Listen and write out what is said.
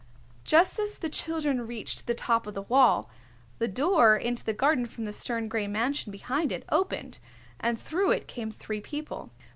Just as the children reached the top of the wall, the door into the garden from the stern gray mansion behind it opened and through it came three people.